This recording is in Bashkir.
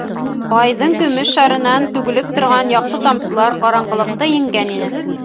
Айҙың көмөш шарынан түгелеп торған яҡты тамсылар ҡараңғылыҡты еңгән ине.